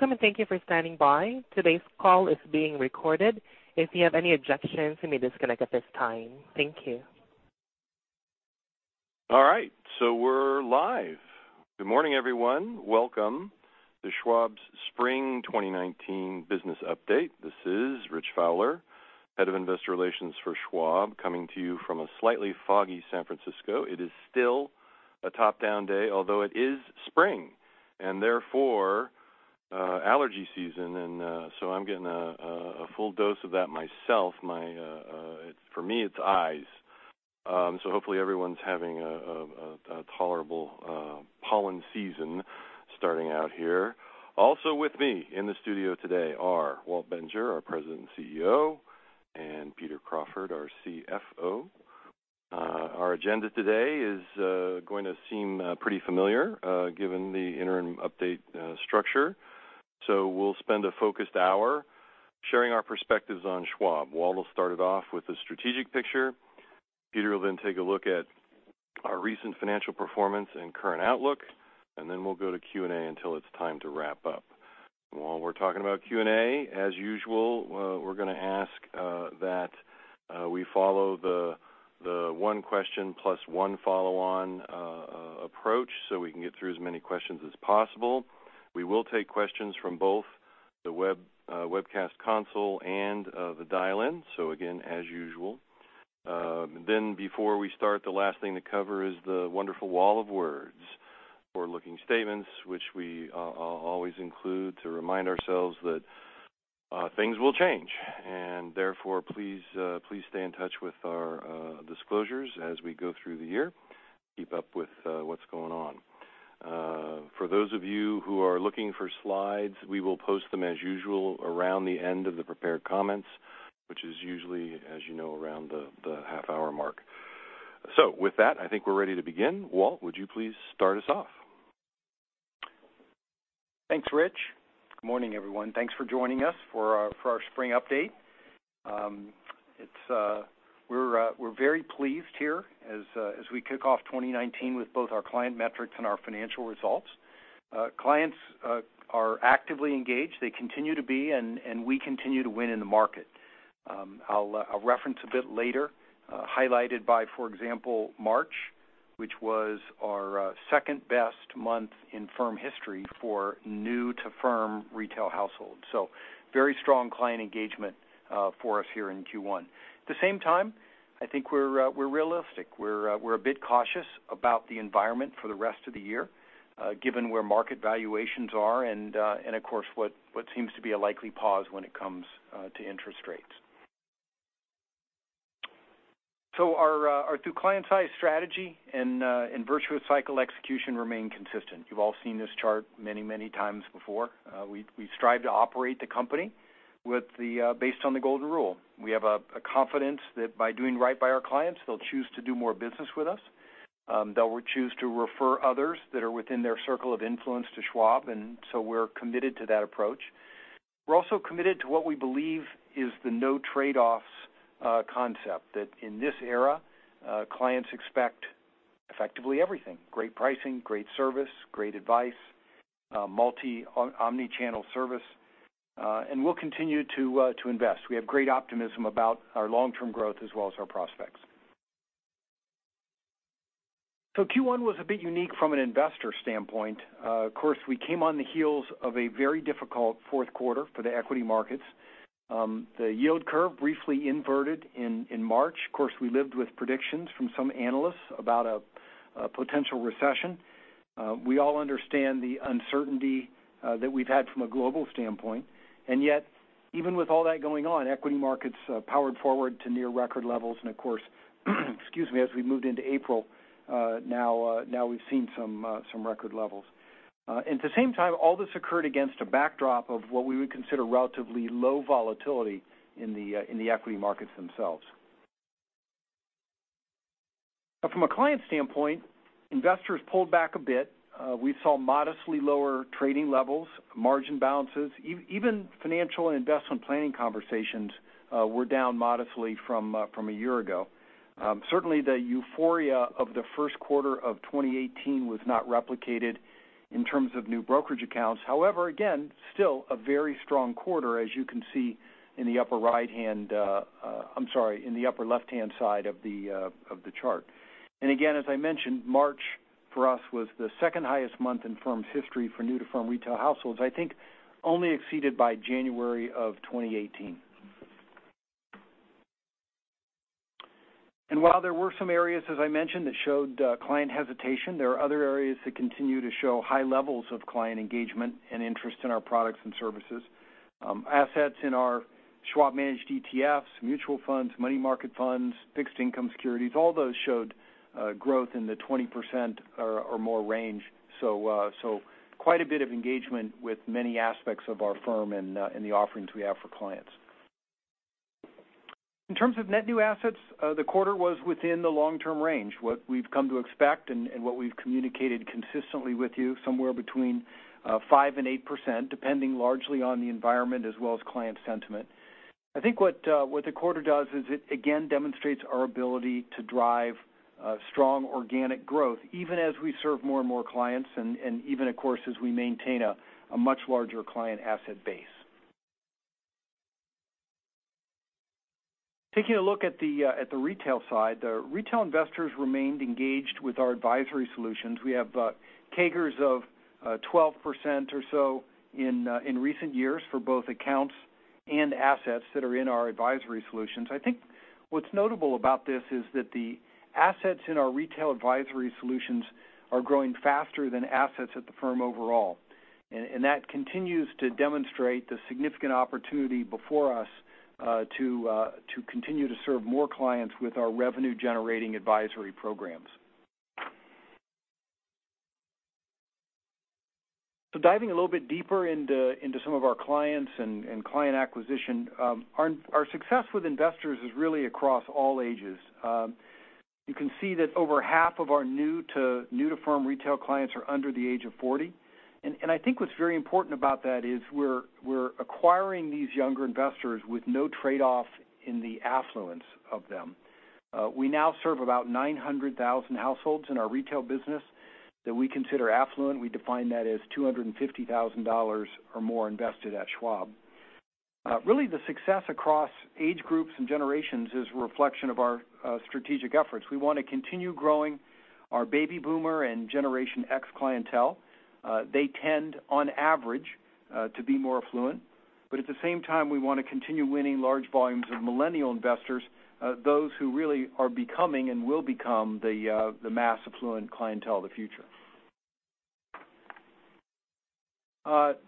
Welcome and thank you for standing by. Today's call is being recorded. If you have any objections, you may disconnect at this time. Thank you. All right, we're live. Good morning, everyone. Welcome to Schwab's Spring 2019 Business Update. This is Rich Fowler, Head of Investor Relations for Schwab, coming to you from a slightly foggy San Francisco. It is still a top-down day, although it is spring and therefore allergy season. I'm getting a full dose of that myself. For me, it's eyes. Hopefully everyone's having a tolerable pollen season starting out here. Also with me in the studio today are Walt Bettinger, our President and CEO, and Peter Crawford, our CFO. Our agenda today is going to seem pretty familiar given the interim update structure. We'll spend a focused hour sharing our perspectives on Schwab. Walt will start it off with the strategic picture. Peter will then take a look at our recent financial performance and current outlook, and then we'll go to Q&A until it's time to wrap up. While we're talking about Q&A, as usual, we're going to ask that we follow the one question plus one follow-on approach so we can get through as many questions as possible. We will take questions from both the webcast console and the dial-in, again, as usual. Before we start, the last thing to cover is the wonderful wall of words, forward-looking statements, which we always include to remind ourselves that things will change, and therefore, please stay in touch with our disclosures as we go through the year. Keep up with what's going on. For those of you who are looking for slides, we will post them as usual around the end of the prepared comments, which is usually, as you know, around the half-hour mark. With that, I think we're ready to begin. Walt, would you please start us off? Thanks, Rich. Good morning, everyone. Thanks for joining us for our spring update. We're very pleased here as we kick off 2019 with both our client metrics and our financial results. Clients are actively engaged. They continue to be, and we continue to win in the market. I'll reference a bit later, highlighted by, for example, March, which was our second-best month in firm history for new-to-firm retail households. Very strong client engagement for us here in Q1. At the same time, I think we're realistic. We're a bit cautious about the environment for the rest of the year given where market valuations are and of course, what seems to be a likely pause when it comes to interest rates. Our through client size strategy and virtuous cycle execution remain consistent. You've all seen this chart many, many times before. We strive to operate the company based on the golden rule. We have a confidence that by doing right by our clients, they'll choose to do more business with us. They'll choose to refer others that are within their circle of influence to Schwab. We're committed to that approach. We're also committed to what we believe is the no trade-offs concept that in this era, clients expect effectively everything, great pricing, great service, great advice, multi/omni-channel service. We'll continue to invest. We have great optimism about our long-term growth as well as our prospects. Q1 was a bit unique from an investor standpoint. Of course, we came on the heels of a very difficult fourth quarter for the equity markets. The yield curve briefly inverted in March. Of course, we lived with predictions from some analysts about a potential recession. We all understand the uncertainty that we've had from a global standpoint. Even with all that going on, equity markets powered forward to near record levels. Of course, as we moved into April, now we've seen some record levels. At the same time, all this occurred against a backdrop of what we would consider relatively low volatility in the equity markets themselves. From a client standpoint, investors pulled back a bit. We saw modestly lower trading levels, margin balances, even financial and investment planning conversations were down modestly from a year ago. Certainly, the euphoria of the first quarter of 2018 was not replicated in terms of new brokerage accounts. However, again, still a very strong quarter, as you can see in the upper left-hand side of the chart. Again, as I mentioned, March for us was the second highest month in firm's history for new-to-firm retail households, I think only exceeded by January of 2018. While there were some areas, as I mentioned, that showed client hesitation, there are other areas that continue to show high levels of client engagement and interest in our products and services. Assets in our Schwab-managed ETFs, mutual funds, money market funds, fixed income securities, all those showed growth in the 20% or more range. Quite a bit of engagement with many aspects of our firm and the offerings we have for clients. In terms of net new assets, the quarter was within the long-term range. What we've come to expect and what we've communicated consistently with you, somewhere between 5%-8%, depending largely on the environment as well as client sentiment. I think what the quarter does is it again demonstrates our ability to drive strong organic growth even as we serve more and more clients and even, of course, as we maintain a much larger client asset base. Taking a look at the retail side, the retail investors remained engaged with our advisory solutions. We have CAGRs of 12% or so in recent years for both accounts and assets that are in our advisory solutions. I think what's notable about this is that the assets in our retail advisory solutions are growing faster than assets at the firm overall, and that continues to demonstrate the significant opportunity before us to continue to serve more clients with our revenue-generating advisory programs. Diving a little bit deeper into some of our clients and client acquisition, our success with investors is really across all ages. You can see that over half of our new-to-firm retail clients are under the age of 40. I think what's very important about that is we're acquiring these younger investors with no trade-off in the affluence of them. We now serve about 900,000 households in our retail business that we consider affluent. We define that as $250,000 or more invested at Schwab. Really, the success across age groups and generations is a reflection of our strategic efforts. We want to continue growing our baby boomer and Generation X clientele. They tend, on average, to be more affluent. At the same time, we want to continue winning large volumes of Millennial investors, those who really are becoming and will become the mass affluent clientele of the future.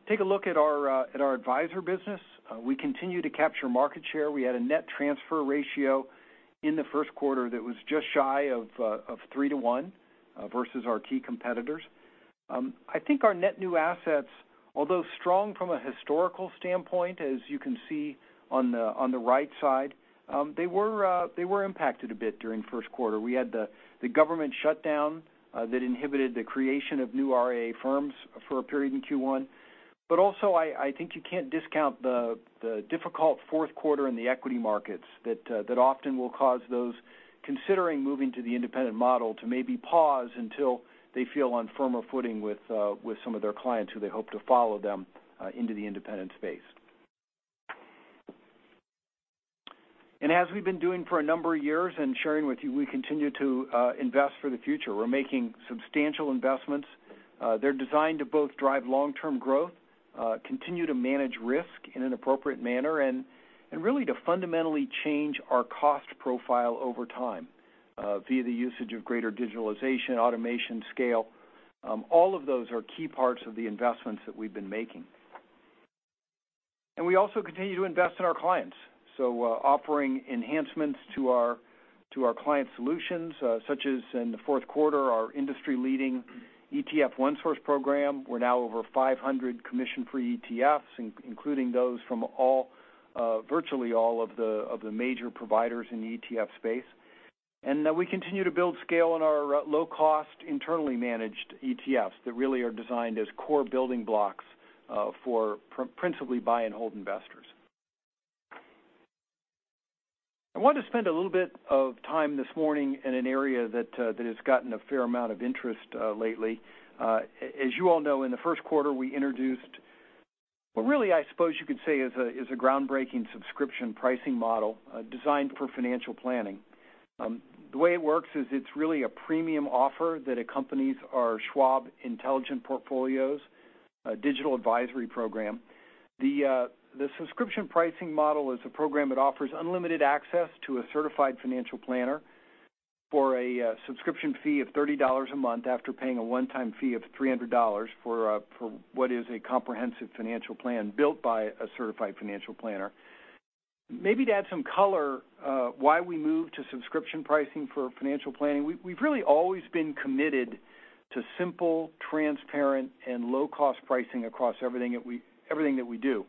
Take a look at our advisor business. We continue to capture market share. We had a net transfer ratio in the first quarter that was just shy of three to one versus our key competitors. I think our net new assets, although strong from a historical standpoint, as you can see on the right side, they were impacted a bit during the first quarter. We had the government shutdown that inhibited the creation of new RIA firms for a period in Q1. Also, I think you can't discount the difficult fourth quarter in the equity markets that often will cause those considering moving to the independent model to maybe pause until they feel on firmer footing with some of their clients who they hope to follow them into the independent space. As we've been doing for a number of years and sharing with you, we continue to invest for the future. We're making substantial investments. They're designed to both drive long-term growth, continue to manage risk in an appropriate manner, and really to fundamentally change our cost profile over time via the usage of greater digitalization, automation, scale. All of those are key parts of the investments that we've been making. We also continue to invest in our clients. Offering enhancements to our client solutions, such as in the fourth quarter, our industry-leading ETF OneSource program. We're now over 500 commission-free ETFs, including those from virtually all of the major providers in the ETF space. We continue to build scale in our low-cost, internally managed ETFs that really are designed as core building blocks for principally buy-and-hold investors. I want to spend a little bit of time this morning in an area that has gotten a fair amount of interest lately. As you all know, in the first quarter, we introduced, really, I suppose you could say, is a groundbreaking subscription pricing model designed for financial planning. The way it works is it's really a premium offer that accompanies our Schwab Intelligent Portfolios, a digital advisory program. The subscription pricing model is a program that offers unlimited access to a Certified Financial Planner for a subscription fee of $30 a month after paying a one-time fee of $300 for what is a comprehensive financial plan built by a Certified Financial Planner. Maybe to add some color why we moved to subscription pricing for financial planning, we've really always been committed to simple, transparent, and low-cost pricing across everything that we do.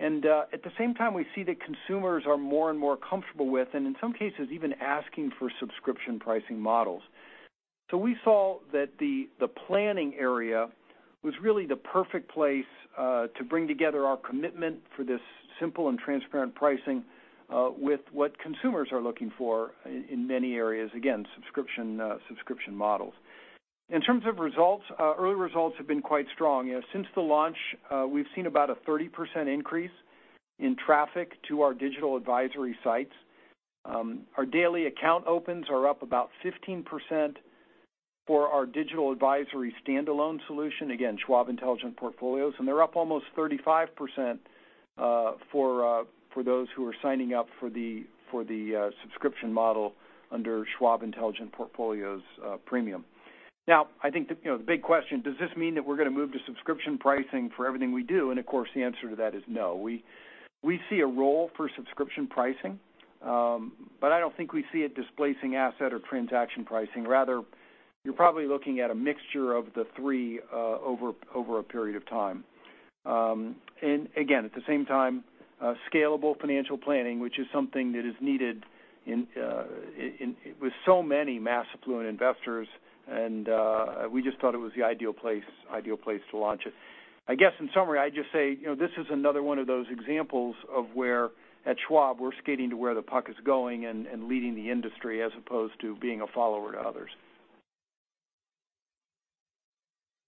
At the same time, we see that consumers are more and more comfortable with, and in some cases, even asking for subscription pricing models. We saw that the planning area was really the perfect place to bring together our commitment for this simple and transparent pricing with what consumers are looking for in many areas, again, subscription models. In terms of results, early results have been quite strong. Since the launch, we've seen about a 30% increase in traffic to our digital advisory sites. Our daily account opens are up about 15% for our digital advisory standalone solution, again, Schwab Intelligent Portfolios, and they're up almost 35% for those who are signing up for the subscription model under Schwab Intelligent Portfolios Premium. I think the big question, does this mean that we're going to move to subscription pricing for everything we do? Of course, the answer to that is no. We see a role for subscription pricing, I don't think we see it displacing asset or transaction pricing. Rather, you're probably looking at a mixture of the three over a period of time. Again, at the same time, scalable financial planning, which is something that is needed with so many mass affluent investors, and we just thought it was the ideal place to launch it. I guess in summary, I'd just say, this is another one of those examples of where at Schwab we're skating to where the puck is going and leading the industry as opposed to being a follower to others.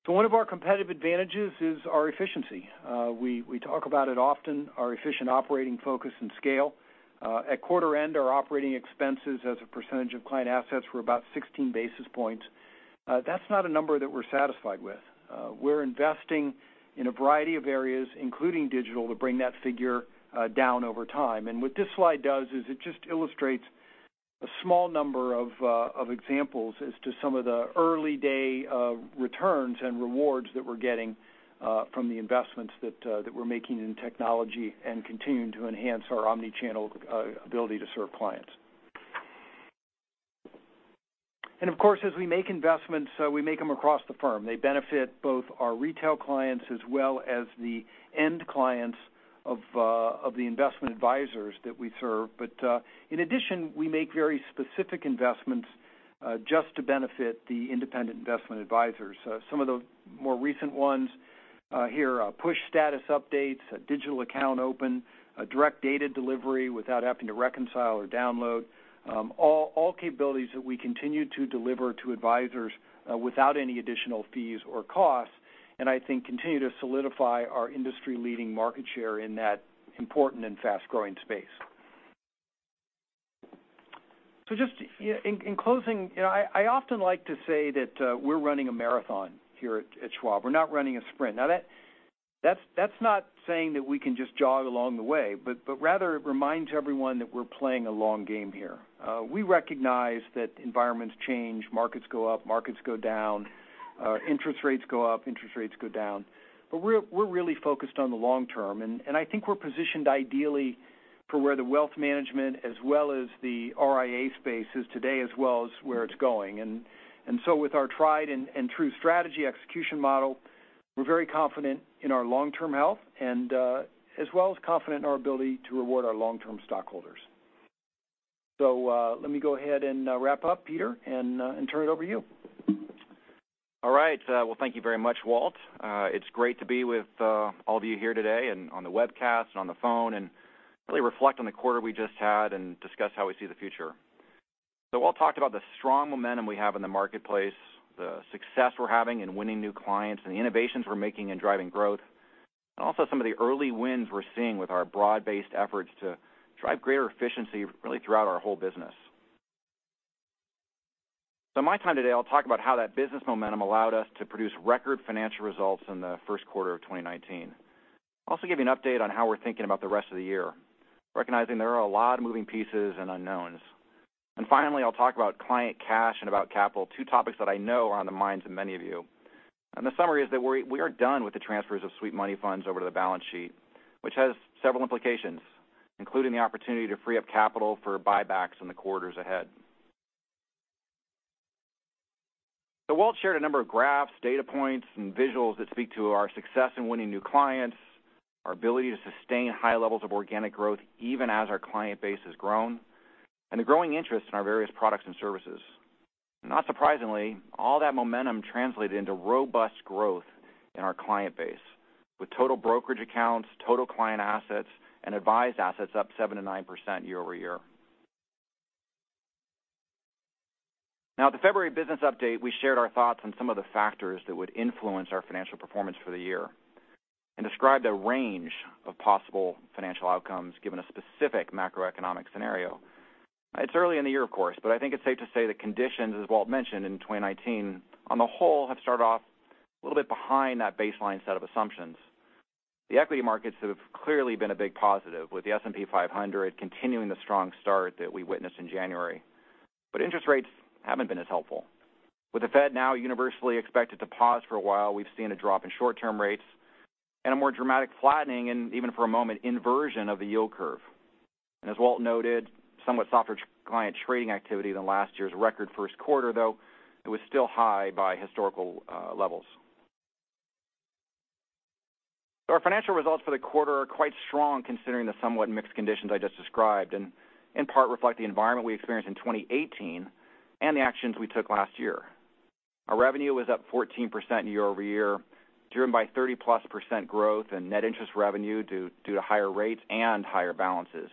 One of our competitive advantages is our efficiency. We talk about it often, our efficient operating focus and scale. At quarter end, our operating expenses as a percentage of client assets were about 16 basis points. That's not a number that we're satisfied with. We're investing in a variety of areas, including digital, to bring that figure down over time. What this slide does is it just illustrates a small number of examples as to some of the early-day returns and rewards that we're getting from the investments that we're making in technology and continuing to enhance our omni-channel ability to serve clients. Of course, as we make investments, we make them across the firm. They benefit both our retail clients as well as the end clients of the investment advisors that we serve. In addition, we make very specific investments just to benefit the independent investment advisors. Some of the more recent ones here are push status updates, a digital account open, a direct data delivery without having to reconcile or download. All capabilities that we continue to deliver to advisors without any additional fees or costs, and I think continue to solidify our industry-leading market share in that important and fast-growing space. Just in closing, I often like to say that we're running a marathon here at Schwab. We're not running a sprint. Now that's not saying that we can just jog along the way, but rather it reminds everyone that we're playing a long game here. We recognize that environments change, markets go up, markets go down, interest rates go up, interest rates go down. We're really focused on the long term, and I think we're positioned ideally for where the wealth management as well as the RIA space is today, as well as where it's going. With our tried-and-true strategy execution model, we're very confident in our long-term health and as well as confident in our ability to reward our long-term stockholders. Let me go ahead and wrap up, Peter, and turn it over to you. All right. Well, thank you very much, Walt. It's great to be with all of you here today and on the webcast and on the phone and really reflect on the quarter we just had and discuss how we see the future. Walt talked about the strong momentum we have in the marketplace, the success we're having in winning new clients, and the innovations we're making in driving growth, and also some of the early wins we're seeing with our broad-based efforts to drive greater efficiency really throughout our whole business. My time today, I'll talk about how that business momentum allowed us to produce record financial results in the first quarter of 2019. Also give you an update on how we're thinking about the rest of the year, recognizing there are a lot of moving pieces and unknowns. Finally, I'll talk about client cash and about capital, two topics that I know are on the minds of many of you. The summary is that we are done with the transfers of sweep money funds over to the balance sheet, which has several implications, including the opportunity to free up capital for buybacks in the quarters ahead. Walt shared a number of graphs, data points, and visuals that speak to our success in winning new clients, our ability to sustain high levels of organic growth even as our client base has grown, and the growing interest in our various products and services. Not surprisingly, all that momentum translated into robust growth in our client base with total brokerage accounts, total client assets, and advised assets up 7%-9% year-over-year. At the February business update, we shared our thoughts on some of the factors that would influence our financial performance for the year and described a range of possible financial outcomes given a specific macroeconomic scenario. It's early in the year, of course, I think it's safe to say the conditions, as Walt mentioned, in 2019 on the whole have started off a little bit behind that baseline set of assumptions. The equity markets have clearly been a big positive, with the S&P 500 continuing the strong start that we witnessed in January. Interest rates haven't been as helpful. With the Fed now universally expected to pause for a while, we've seen a drop in short-term rates and a more dramatic flattening and even for a moment, inversion of the yield curve. As Walt noted, somewhat softer client trading activity than last year's record first quarter, though it was still high by historical levels. Our financial results for the quarter are quite strong considering the somewhat mixed conditions I just described and in part reflect the environment we experienced in 2018 and the actions we took last year. Our revenue was up 14% year-over-year, driven by 30-plus% growth and net interest revenue due to higher rates and higher balances.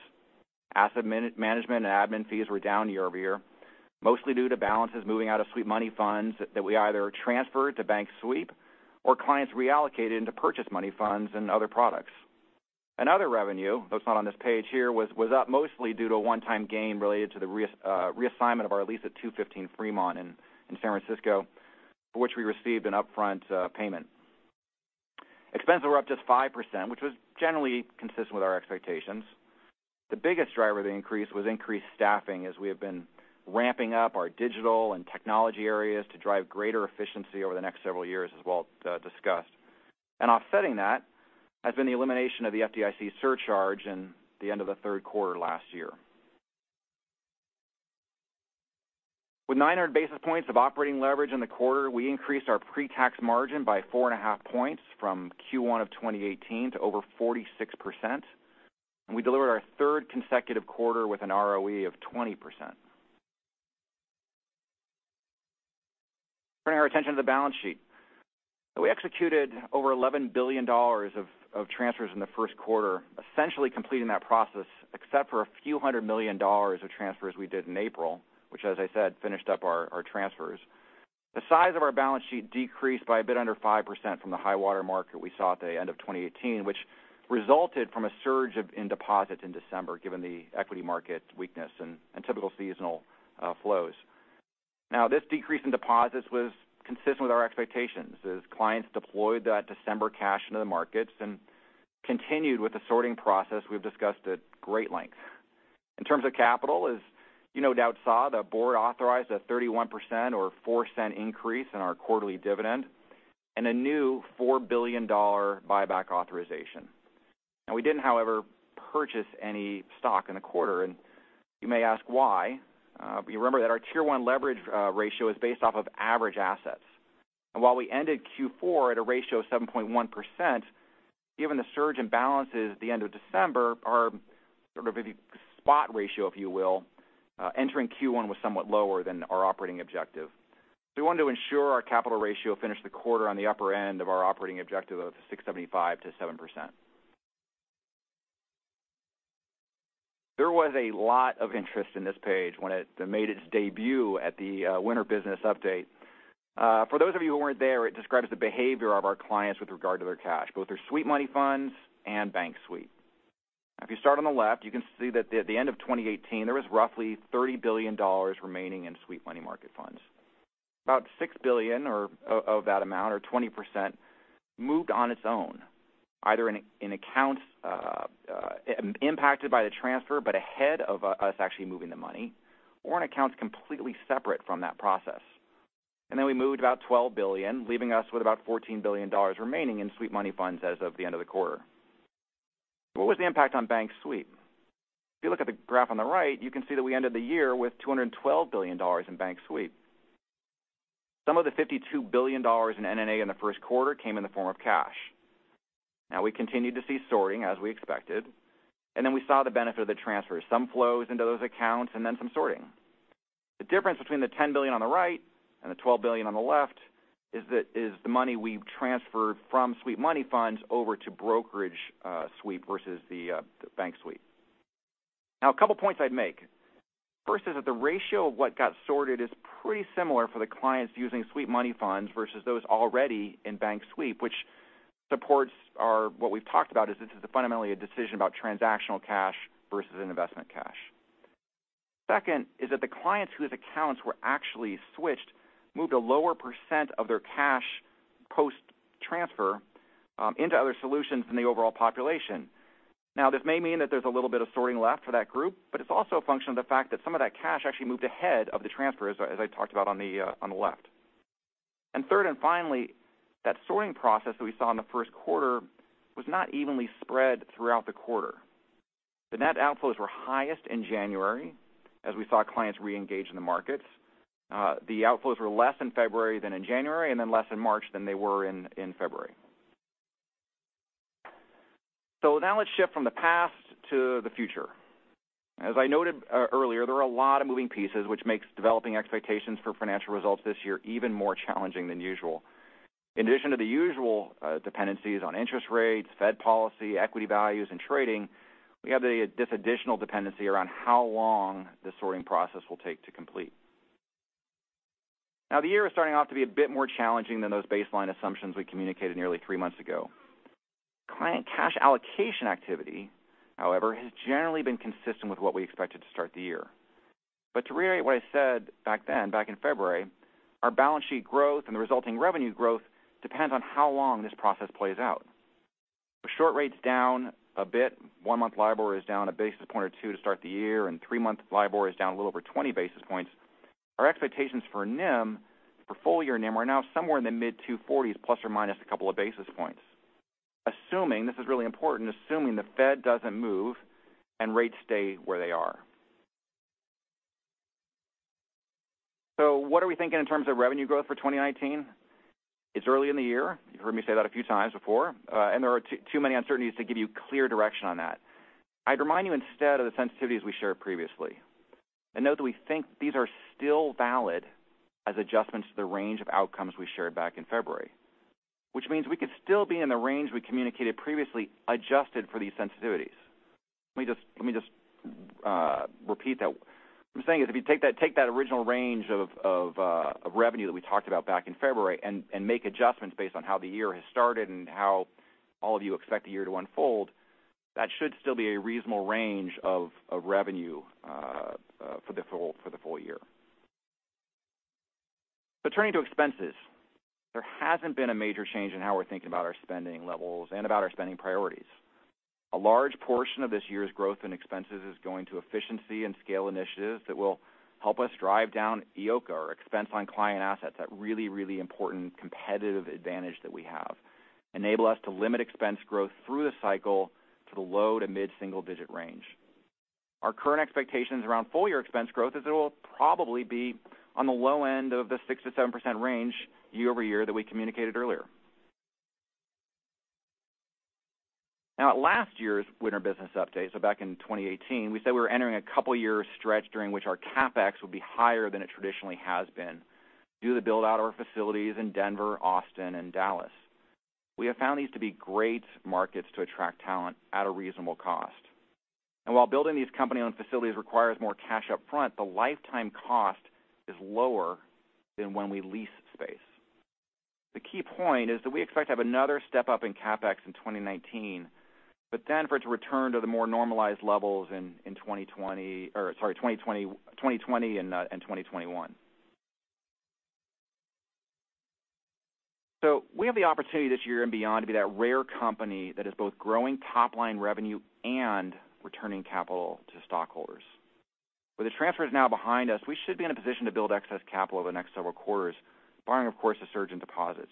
Asset management and admin fees were down year-over-year, mostly due to balances moving out of sweep money funds that we either transferred to bank sweep or clients reallocated into purchased money funds and other products. Other revenue that's not on this page here was up mostly due to a one-time gain related to the reassignment of our lease at 215 Fremont in San Francisco, for which we received an upfront payment. Expenses were up just 5%, which was generally consistent with our expectations. The biggest driver of the increase was increased staffing as we have been ramping up our digital and technology areas to drive greater efficiency over the next several years, as Walt discussed. Offsetting that has been the elimination of the FDIC surcharge in the end of the third quarter last year. With 900 basis points of operating leverage in the quarter, we increased our pre-tax margin by 4.5 points from Q1 2018 to over 46%, and we delivered our third consecutive quarter with an ROE of 20%. Turning our attention to the balance sheet. We executed over $11 billion of transfers in the first quarter, essentially completing that process except for a few hundred million dollars of transfers we did in April, which, as I said, finished up our transfers. The size of our balance sheet decreased by a bit under 5% from the high water mark that we saw at the end of 2018, which resulted from a surge in deposits in December given the equity market weakness and typical seasonal flows. This decrease in deposits was consistent with our expectations as clients deployed that December cash into the markets and continued with the sorting process we've discussed at great length. In terms of capital, as you no doubt saw, the board authorized a 31% or $0.04 increase in our quarterly dividend and a new $4 billion buyback authorization. We didn't, however, purchase any stock in the quarter, and you may ask why. You remember that our Tier One leverage ratio is based off of average assets. While we ended Q4 at a ratio of 7.1%, given the surge in balances at the end of December, our sort of spot ratio, if you will, entering Q1 was somewhat lower than our operating objective. We wanted to ensure our capital ratio finished the quarter on the upper end of our operating objective of 6.75%-7%. There was a lot of interest in this page when it made its debut at the winter business update. For those of you who weren't there, it describes the behavior of our clients with regard to their cash, both their sweep money market funds and bank sweep. If you start on the left, you can see that at the end of 2018, there was roughly $30 billion remaining in sweep money market funds. About $6 billion of that amount, or 20%, moved on its own, either in accounts impacted by the transfer but ahead of us actually moving the money, or in accounts completely separate from that process. We moved about $12 billion, leaving us with about $14 billion remaining in sweep money market funds as of the end of the quarter. What was the impact on bank sweep? If you look at the graph on the right, you can see that we ended the year with $212 billion in bank sweep. Some of the $52 billion in NNA in the first quarter came in the form of cash. We continued to see sorting, as we expected, and then we saw the benefit of the transfer. Some flows into those accounts and then some sorting. The difference between the $10 billion on the right and the $12 billion on the left is the money we've transferred from sweep money market funds over to brokerage sweep versus the bank sweep. A couple points I'd make. First is that the ratio of what got sorted is pretty similar for the clients using sweep money market funds versus those already in bank sweep, which supports what we've talked about, is this is fundamentally a decision about transactional cash versus investment cash. Second is that the clients whose accounts were actually switched moved a lower percent of their cash post-transfer into other solutions than the overall population. This may mean that there's a little bit of sorting left for that group, but it's also a function of the fact that some of that cash actually moved ahead of the transfer, as I talked about on the left. Third and finally, that sorting process that we saw in the first quarter was not evenly spread throughout the quarter. The net outflows were highest in January as we saw clients reengage in the markets. The outflows were less in February than in January and then less in March than they were in February. Let's shift from the past to the future. As I noted earlier, there are a lot of moving pieces which makes developing expectations for financial results this year even more challenging than usual. In addition to the usual dependencies on interest rates, Fed policy, equity values, and trading, we have this additional dependency around how long the sorting process will take to complete. The year is starting off to be a bit more challenging than those baseline assumptions we communicated nearly three months ago. Client cash allocation activity, however, has generally been consistent with what we expected to start the year. To reiterate what I said back then, back in February, our balance sheet growth and the resulting revenue growth depends on how long this process plays out. With short rates down a bit, one-month LIBOR is down a basis point or two to start the year, and three-month LIBOR is down a little over 20 basis points. Our expectations for full-year NIM are now somewhere in the mid-240s ± a couple of basis points. Assuming, this is really important, assuming the Fed doesn't move and rates stay where they are. What are we thinking in terms of revenue growth for 2019? It's early in the year. You've heard me say that a few times before. There are too many uncertainties to give you clear direction on that. I'd remind you instead of the sensitivities we shared previously, and note that we think these are still valid as adjustments to the range of outcomes we shared back in February. Which means we could still be in the range we communicated previously, adjusted for these sensitivities. Let me just repeat that. What I'm saying is if you take that original range of revenue that we talked about back in February and make adjustments based on how the year has started and how all of you expect the year to unfold, that should still be a reasonable range of revenue for the full year. Turning to expenses, there hasn't been a major change in how we're thinking about our spending levels and about our spending priorities. A large portion of this year's growth in expenses is going to efficiency and scale initiatives that will help us drive down EOCA or expense on client assets, that really important competitive advantage that we have, enable us to limit expense growth through the cycle to the low to mid-single-digit range. Our current expectations around full-year expense growth is it will probably be on the low end of the 6%-7% range year-over-year that we communicated earlier. At last year's winter business update, back in 2018, we said we were entering a couple year stretch during which our CapEx would be higher than it traditionally has been due to build out our facilities in Denver, Austin and Dallas. We have found these to be great markets to attract talent at a reasonable cost. While building these company-owned facilities requires more cash up front, the lifetime cost is lower than when we lease space. The key point is that we expect to have another step up in CapEx in 2019, for it to return to the more normalized levels in 2020 and 2021. We have the opportunity this year and beyond to be that rare company that is both growing top-line revenue and returning capital to stockholders. With the transfers now behind us, we should be in a position to build excess capital over the next several quarters, barring, of course, a surge in deposits.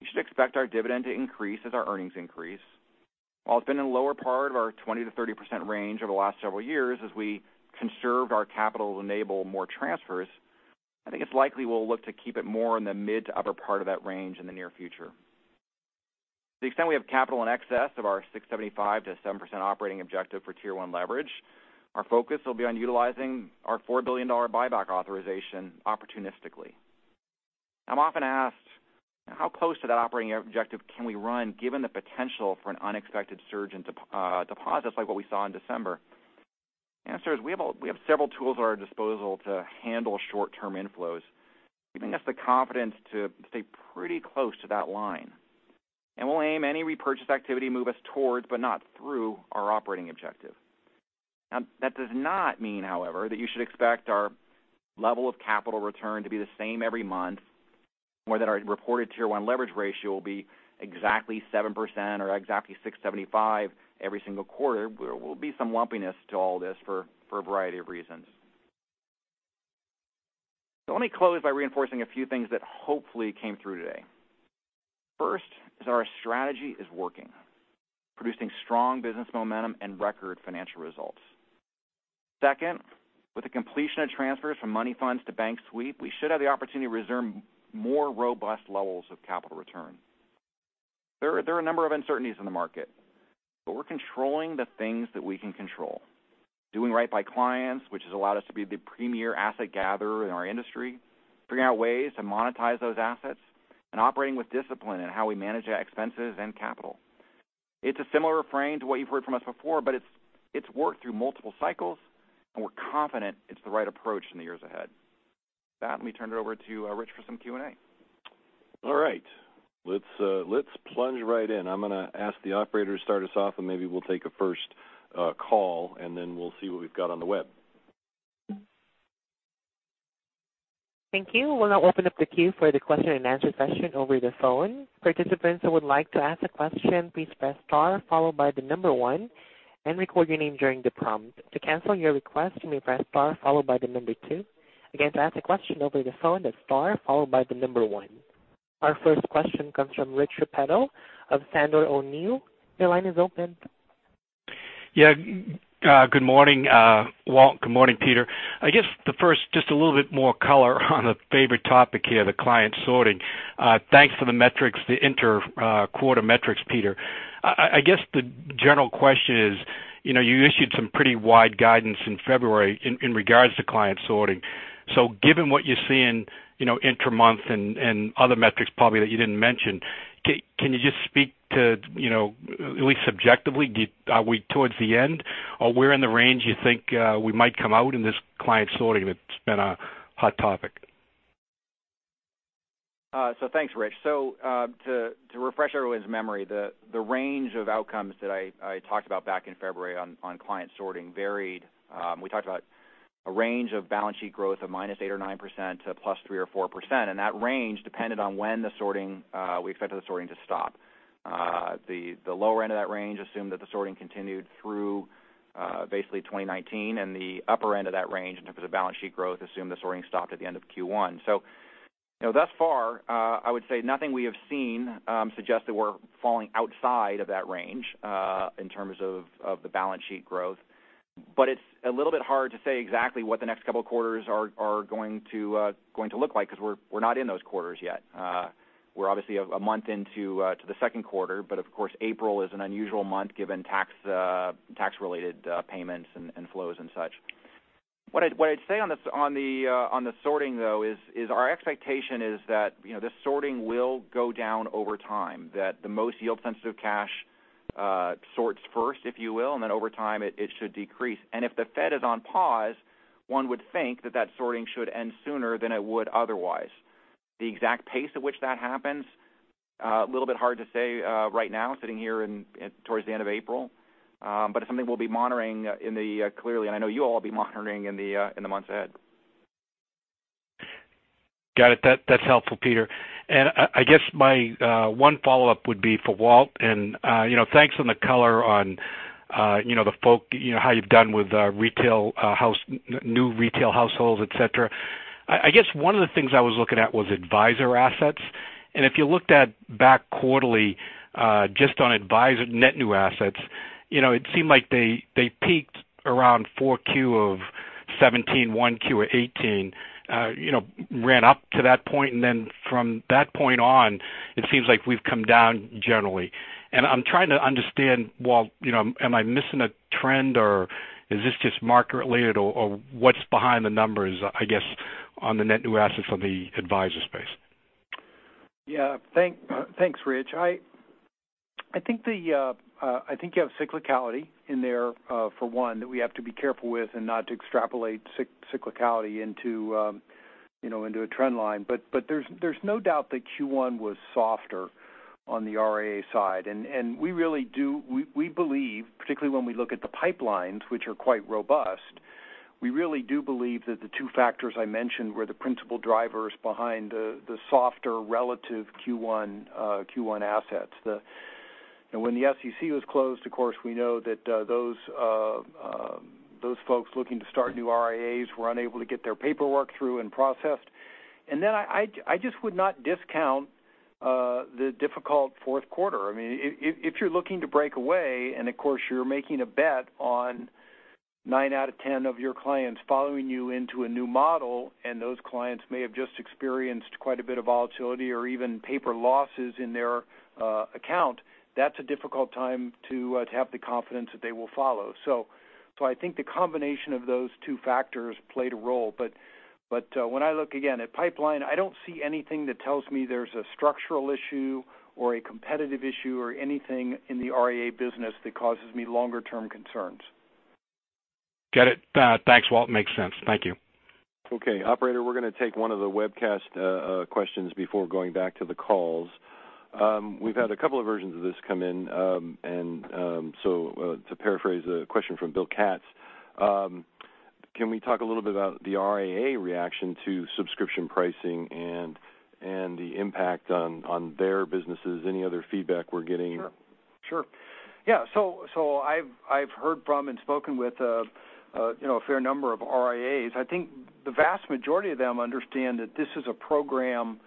You should expect our dividend to increase as our earnings increase. While it's been in the lower part of our 20%-30% range over the last several years, as we conserved our capital to enable more transfers, I think it's likely we'll look to keep it more in the mid to upper part of that range in the near future. To the extent we have capital in excess of our 6.75%-7% operating objective for Tier One leverage, our focus will be on utilizing our $4 billion buyback authorization opportunistically. I'm often asked how close to that operating objective can we run given the potential for an unexpected surge in deposits like what we saw in December? The answer is we have several tools at our disposal to handle short-term inflows, giving us the confidence to stay pretty close to that line. We'll aim any repurchase activity to move us towards, but not through, our operating objective. That does not mean, however, that you should expect our level of capital return to be the same every month, or that our reported Tier One leverage ratio will be exactly 7% or exactly 6.75% every single quarter. There will be some lumpiness to all this for a variety of reasons. Let me close by reinforcing a few things that hopefully came through today. First is our strategy is working, producing strong business momentum and record financial results. Second, with the completion of transfers from money funds to bank sweep, we should have the opportunity to resume more robust levels of capital return. There are a number of uncertainties in the market, but we're controlling the things that we can control. Doing right by clients, which has allowed us to be the premier asset gatherer in our industry, figuring out ways to monetize those assets, and operating with discipline in how we manage our expenses and capital. It's a similar refrain to what you've heard from us before, but it's worked through multiple cycles, and we're confident it's the right approach in the years ahead. With that, let me turn it over to Rich for some Q&A. All right. Let's plunge right in. I'm going to ask the operator to start us off, maybe we'll take a first call, then we'll see what we've got on the web. Thank you. We'll now open up the queue for the Q&A session over the phone. Participants who would like to ask a question, please press star followed by the number one and record your name during the prompt. To cancel your request, you may press star followed by the number two. Again, to ask a question over the phone, that's star followed by the number one. Our first question comes from Rich Repetto of Sandler O'Neill. Your line is open. Yeah. Good morning, Walt. Good morning, Peter. I guess the first, just a little bit more color on the favorite topic here, the client sorting. Thanks for the metrics, the inter-quarter metrics, Peter. I guess the general question is, you issued some pretty wide guidance in February in regards to client sorting. Given what you see in intra-month and other metrics probably that you didn't mention, can you just speak to, at least subjectively, are we towards the end? Where in the range you think we might come out in this client sorting? It's been a hot topic. Thanks, Rich. To refresh everyone's memory, the range of outcomes that I talked about back in February on client sorting varied. We talked about a range of balance sheet growth of minus 8% or 9% to plus 3% or 4%, and that range depended on when we expected the sorting to stop. The lower end of that range assumed that the sorting continued through basically 2019, and the upper end of that range, in terms of balance sheet growth, assumed the sorting stopped at the end of Q1. Thus far, I would say nothing we have seen suggests that we're falling outside of that range in terms of the balance sheet growth. It's a little bit hard to say exactly what the next couple quarters are going to look like because we're not in those quarters yet. We're obviously a month into the second quarter, of course, April is an unusual month given tax-related payments and flows and such. What I'd say on the sorting, though, is our expectation is that the sorting will go down over time, that the most yield-sensitive cash sorts first, if you will, and then over time it should decrease. If the Fed is on pause, one would think that that sorting should end sooner than it would otherwise. The exact pace at which that happens, a little bit hard to say right now, sitting here towards the end of April. It's something we'll be monitoring, clearly, and I know you all will be monitoring in the months ahead. Got it. That's helpful, Peter. I guess my one follow-up would be for Walt, and thanks on the color on how you've done with new retail households, et cetera. I guess one of the things I was looking at was advisor assets. If you looked at back quarterly just on net new assets. It seemed like they peaked around Q4 of 2017, Q1 of 2018, ran up to that point, then from that point on, it seems like we've come down generally. I'm trying to understand, Walt, am I missing a trend, or is this just market related, or what's behind the numbers, I guess, on the net new assets on the advisor space? Yeah. Thanks, Rich. I think you have cyclicality in there for one, that we have to be careful with and not to extrapolate cyclicality into a trend line. There's no doubt that Q1 was softer on the RIA side. We believe, particularly when we look at the pipelines, which are quite robust, we really do believe that the two factors I mentioned were the principal drivers behind the softer relative Q1 assets. When the SEC was closed, of course, we know that those folks looking to start new RIAs were unable to get their paperwork through and processed. I just would not discount the difficult fourth quarter. If you're looking to break away, and of course, you're making a bet on nine out of 10 of your clients following you into a new model, and those clients may have just experienced quite a bit of volatility or even paper losses in their account, that's a difficult time to have the confidence that they will follow. I think the combination of those two factors played a role. When I look again at pipeline, I don't see anything that tells me there's a structural issue or a competitive issue or anything in the RIA business that causes me longer-term concerns. Get it. Thanks, Walt. Makes sense. Thank you. Okay, operator, we're going to take one of the webcast questions before going back to the calls. We've had a couple of versions of this come in. To paraphrase a question from Bill Katz, can we talk a little bit about the RIA reaction to subscription pricing and the impact on their businesses? Any other feedback we're getting? Sure. I've heard from and spoken with a fair number of RIAs. I think the vast majority of them understand that this is a program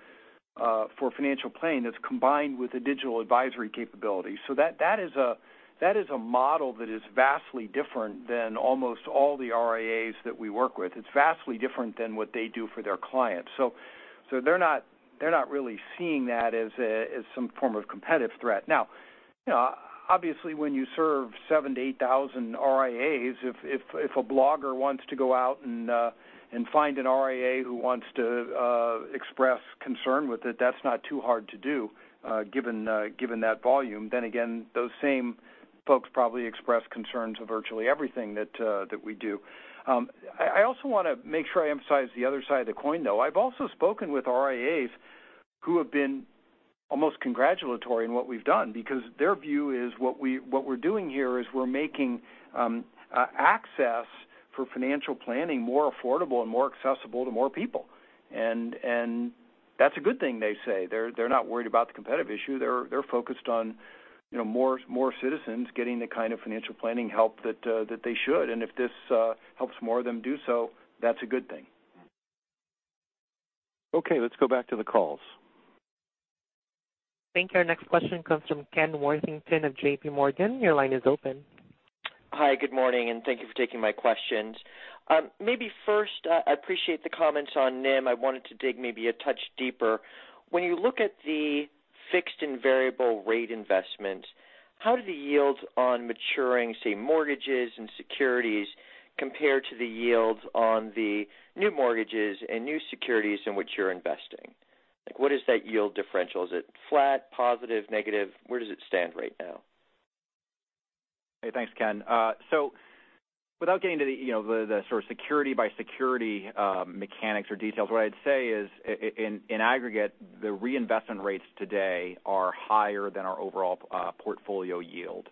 for financial planning that's combined with a digital advisory capability. That is a model that is vastly different than almost all the RIAs that we work with. It's vastly different than what they do for their clients. They're not really seeing that as some form of competitive threat. Obviously, when you serve 78,000 RIAs, if a blogger wants to go out and find an RIA who wants to express concern with it, that's not too hard to do given that volume. Again, those same folks probably express concern to virtually everything that we do. I also want to make sure I emphasize the other side of the coin, though. I've also spoken with RIAs who have been almost congratulatory in what we've done because their view is what we're doing here is we're making access for financial planning more affordable and more accessible to more people. That's a good thing they say. They're not worried about the competitive issue. They're focused on more citizens getting the kind of financial planning help that they should. If this helps more of them do so, that's a good thing. Okay. Let's go back to the calls. Thank you. Our next question comes from Ken Worthington of JPMorgan. Your line is open. Hi, good morning, and thank you for taking my questions. Maybe first, I appreciate the comments on NIM. I wanted to dig maybe a touch deeper. When you look at the fixed and variable rate investments, how do the yields on maturing, say, mortgages and securities compare to the yields on the new mortgages and new securities in which you're investing? What is that yield differential? Is it flat, positive, negative? Where does it stand right now? Hey, thanks, Ken. Without getting to the sort of security by security mechanics or details, what I'd say is in aggregate, the reinvestment rates today are higher than our overall portfolio yield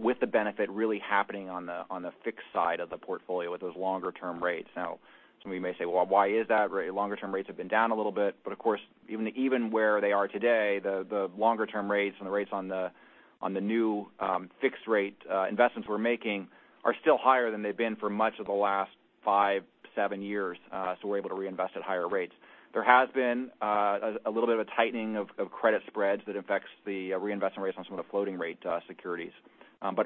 with the benefit really happening on the fixed side of the portfolio with those longer-term rates. Now, somebody may say, "Well, why is that? Longer-term rates have been down a little bit." Of course, even where they are today, the longer-term rates and the rates on the new fixed rate investments we're making are still higher than they've been for much of the last five, seven years. We're able to reinvest at higher rates. There has been a little bit of a tightening of credit spreads that affects the reinvestment rates on some of the floating rate securities. On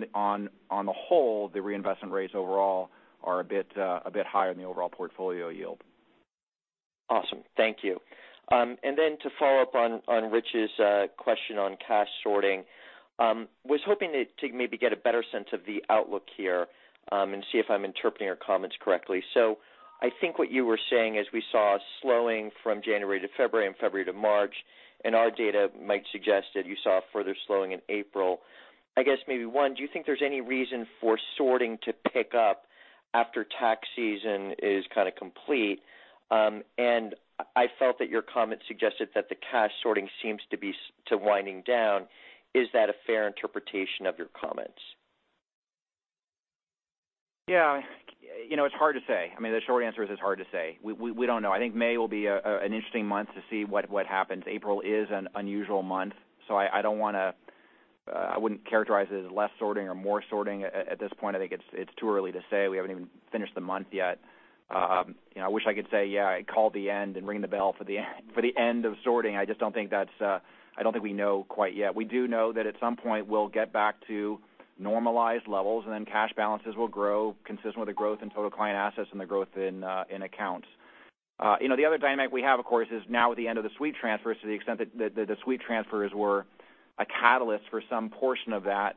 the whole, the reinvestment rates overall are a bit higher than the overall portfolio yield. Awesome. Thank you. Then to follow up on Rich's question on cash sorting, was hoping to maybe get a better sense of the outlook here and see if I'm interpreting your comments correctly. I think what you were saying is we saw a slowing from January to February and February to March, and our data might suggest that you saw a further slowing in April. I guess maybe one, do you think there's any reason for sorting to pick up after tax season is kind of complete? I felt that your comment suggested that the cash sorting seems to be winding down. Is that a fair interpretation of your comments? Yeah. It's hard to say. The short answer is it's hard to say. We don't know. I think May will be an interesting month to see what happens. April is an unusual month, I wouldn't characterize it as less sorting or more sorting at this point. I think it's too early to say. We haven't even finished the month yet. I wish I could say, yeah, I call the end and ring the bell for the end of sorting. I just don't think we know quite yet. We do know that at some point, we'll get back to normalized levels, and then cash balances will grow consistent with the growth in total client assets and the growth in accounts. The other dynamic we have, of course, is now at the end of the sweep transfers to the extent that the sweep transfers were a catalyst for some portion of that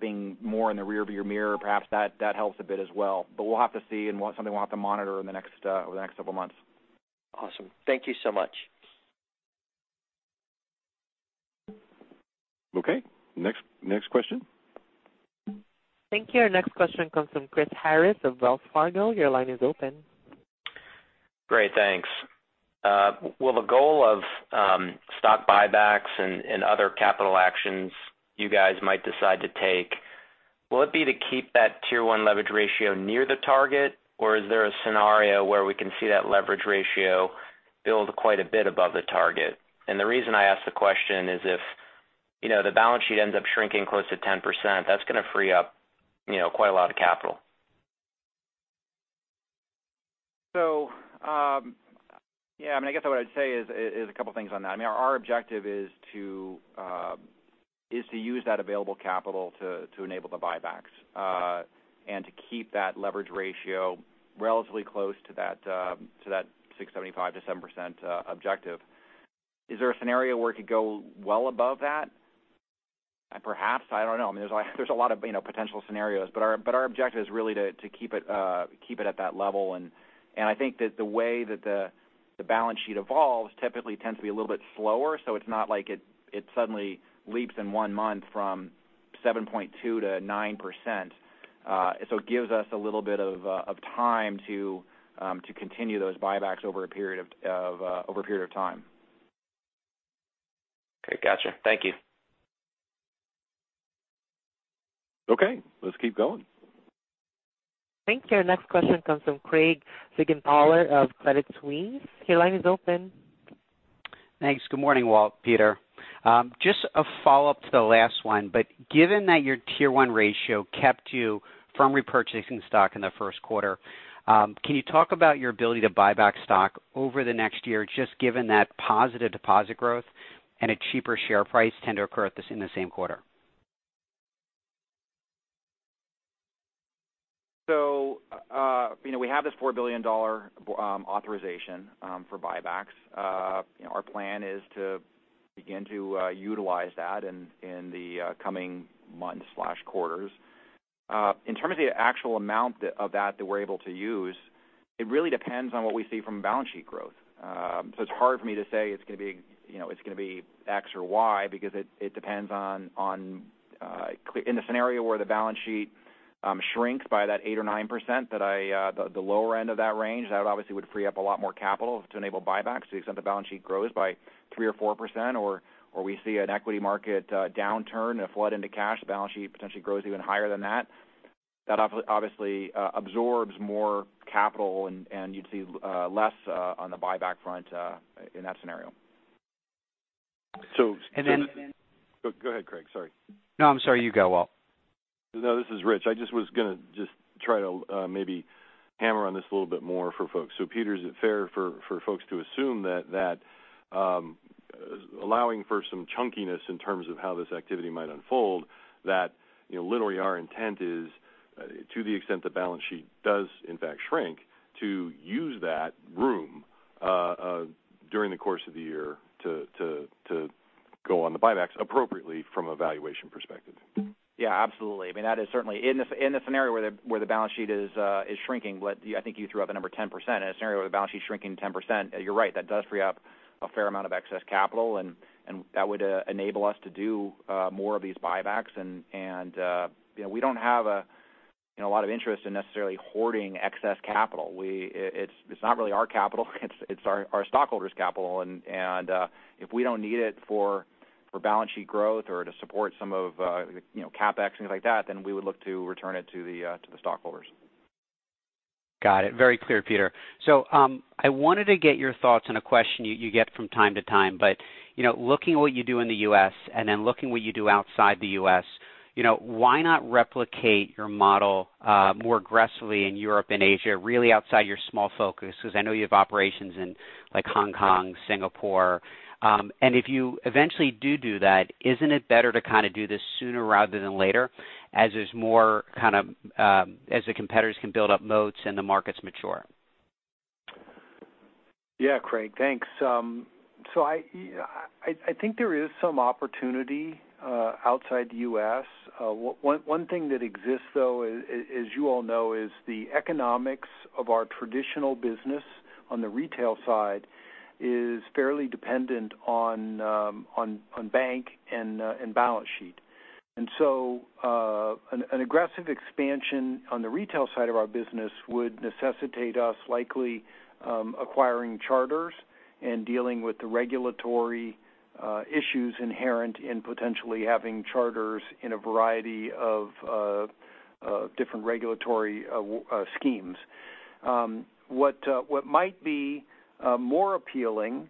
being more in the rear-view mirror, perhaps that helps a bit as well. We'll have to see and something we'll have to monitor over the next several months. Awesome. Thank you so much. Okay. Next question. Thank you. Our next question comes from Chris Harris of Wells Fargo. Your line is open. Great. Thanks. With the goal of stock buybacks and other capital actions you guys might decide to take, will it be to keep that Tier One leverage ratio near the target, or is there a scenario where we can see that leverage ratio build quite a bit above the target? The reason I ask the question is if the balance sheet ends up shrinking close to 10%, that's going to free up quite a lot of capital. I guess what I'd say is a couple of things on that. Our objective is to use that available capital to enable the buybacks and to keep that leverage ratio relatively close to that 6.75%-7% objective. Is there a scenario where it could go well above that? Perhaps. I don't know. There's a lot of potential scenarios. Our objective is really to keep it at that level. I think that the way that the balance sheet evolves typically tends to be a little bit slower. It's not like it suddenly leaps in one month from 7.2%-9%. It gives us a little bit of time to continue those buybacks over a period of time. Okay, got you. Thank you. Okay, let's keep going. Thank you. Our next question comes from Craig Siegenthaler of Credit Suisse. Your line is open. Thanks. Good morning, Walt, Peter. Just a follow-up to the last one, but given that your Tier One ratio kept you from repurchasing stock in the first quarter, can you talk about your ability to buy back stock over the next year, just given that positive deposit growth and a cheaper share price tend to occur in the same quarter? We have this $4 billion authorization for buybacks. Our plan is to begin to utilize that in the coming months/quarters. In terms of the actual amount of that we're able to use, it really depends on what we see from balance sheet growth. It's hard for me to say it's going to be X or Y because it depends on the scenario where the balance sheet shrinks by that 8% or 9%, the lower end of that range. That obviously would free up a lot more capital to enable buybacks to the extent the balance sheet grows by 3% or 4%, or we see an equity market downturn, a flood into cash, the balance sheet potentially grows even higher than that. That obviously absorbs more capital, and you'd see less on the buyback front in that scenario. So- And then- Go ahead, Craig. Sorry. No, I'm sorry. You go, Walt. No, this is Rich. I just was going to just try to maybe hammer on this a little bit more for folks. Peter, is it fair for folks to assume that allowing for some chunkiness in terms of how this activity might unfold that literally our intent is to the extent the balance sheet does in fact shrink to use that room during the course of the year to go on the buybacks appropriately from a valuation perspective? Yeah, absolutely. In the scenario where the balance sheet is shrinking, I think you threw out the number 10%, in a scenario where the balance sheet is shrinking 10%, you're right, that does free up a fair amount of excess capital, that would enable us to do more of these buybacks. We don't have a lot of interest in necessarily hoarding excess capital. It's not really our capital. It's our stockholders' capital. If we don't need it for balance sheet growth or to support some of CapEx and things like that, then we would look to return it to the stockholders. Got it. Very clear, Peter. I wanted to get your thoughts on a question you get from time to time. Looking at what you do in the U.S. and then looking what you do outside the U.S., why not replicate your model more aggressively in Europe and Asia, really outside your small focus? Because I know you have operations in Hong Kong, Singapore. If you eventually do that, isn't it better to kind of do this sooner rather than later as the competitors can build up moats and the markets mature? Yeah, Craig, thanks. I think there is some opportunity outside the U.S. One thing that exists, though, as you all know, is the economics of our traditional business on the retail side is fairly dependent on bank and balance sheet. An aggressive expansion on the retail side of our business would necessitate us likely acquiring charters and dealing with the regulatory issues inherent in potentially having charters in a variety of different regulatory schemes. What might be more appealing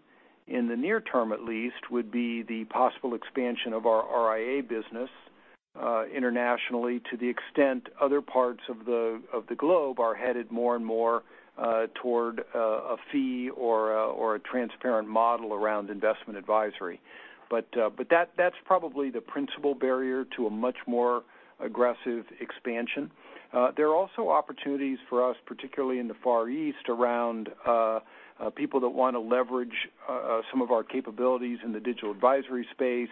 in the near term, at least, would be the possible expansion of our RIA business internationally to the extent other parts of the globe are headed more and more toward a fee or a transparent model around investment advisory. That's probably the principal barrier to a much more aggressive expansion. There are also opportunities for us, particularly in the Far East, around people that want to leverage some of our capabilities in the digital advisory space.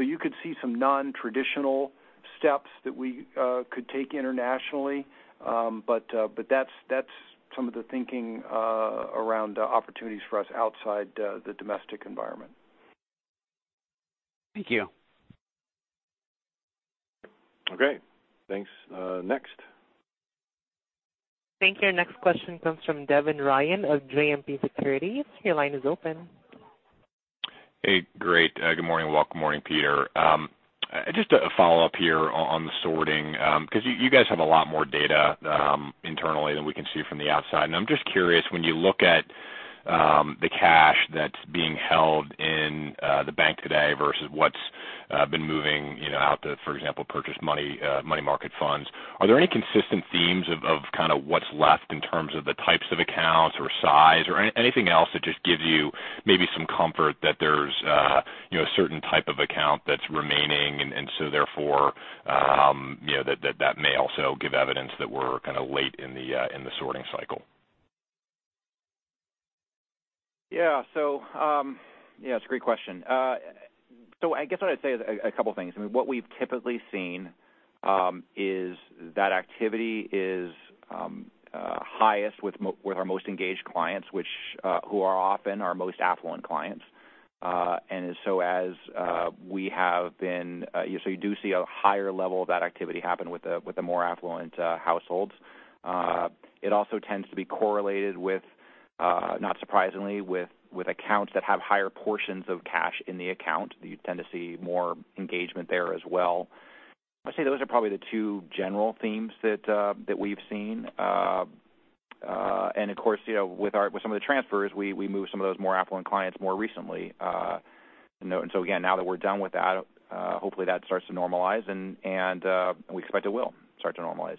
You could see some non-traditional steps that we could take internationally. That's some of the thinking around opportunities for us outside the domestic environment. Thank you. Okay, thanks. Next. Thank you. Next question comes from Devin Ryan of JMP Securities. Your line is open. Hey, great. Good morning. Welcome. Morning, Peter. Just a follow-up here on the sorting, because you guys have a lot more data internally than we can see from the outside, and I'm just curious, when you look at the cash that's being held in the bank today versus what's been moving out to, for example, purchased money funds, are there any consistent themes of kind of what's left in terms of the types of accounts or size or anything else that just gives you maybe some comfort that there's a certain type of account that's remaining and so therefore that may also give evidence that we're kind of late in the sorting cycle? Yeah. It's a great question. I guess what I'd say is a couple things. I mean, what we've typically seen is that activity is highest with our most engaged clients, who are often our most affluent clients. You do see a higher level of that activity happen with the more affluent households. It also tends to be correlated with, not surprisingly, with accounts that have higher portions of cash in the account, you tend to see more engagement there as well. I'd say those are probably the two general themes that we've seen. Of course, with some of the transfers, we moved some of those more affluent clients more recently. Again, now that we're done with that, hopefully that starts to normalize, and we expect it will start to normalize.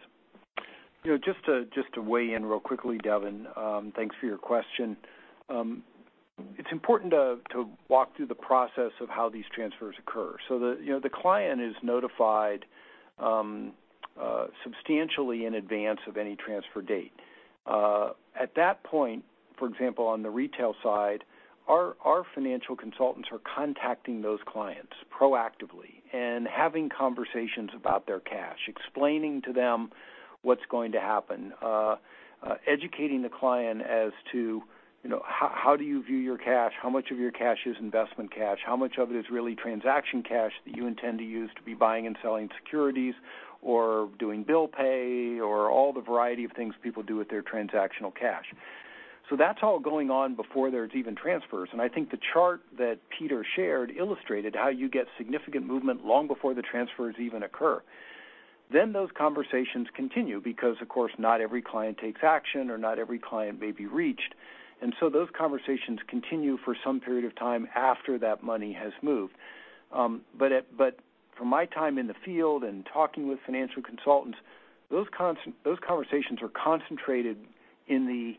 Just to weigh in real quickly, Devin, thanks for your question. It's important to walk through the process of how these transfers occur. The client is notified substantially in advance of any transfer date. At that point, for example, on the retail side, our financial consultants are contacting those clients proactively and having conversations about their cash, explaining to them what's going to happen, educating the client as to how do you view your cash, how much of your cash is investment cash, how much of it is really transaction cash that you intend to use to be buying and selling securities or doing bill pay or all the variety of things people do with their transactional cash. That's all going on before there's even transfers, and I think the chart that Peter shared illustrated how you get significant movement long before the transfers even occur. Those conversations continue because, of course, not every client takes action or not every client may be reached, and so those conversations continue for some period of time after that money has moved. From my time in the field and talking with financial consultants, those conversations are concentrated in the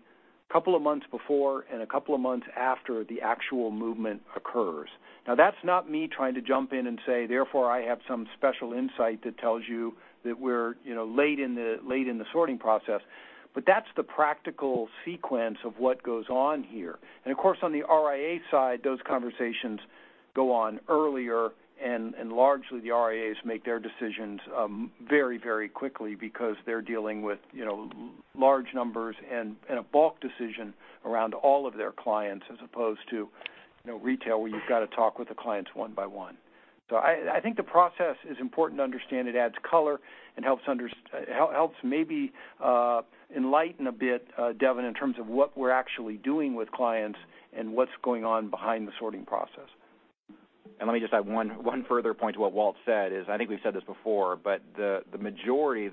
couple of months before and a couple of months after the actual movement occurs. Now that's not me trying to jump in and say, therefore, I have some special insight that tells you that we're late in the sorting process. That's the practical sequence of what goes on here. Of course, on the RIA side, those conversations go on earlier and largely the RIAs make their decisions very quickly because they're dealing with large numbers and a bulk decision around all of their clients as opposed to retail, where you've got to talk with the clients one by one. I think the process is important to understand. It adds color and helps maybe enlighten a bit, Devin, in terms of what we're actually doing with clients and what's going on behind the sorting process. Let me just add one further point to what Walt said. I think we've said this before, the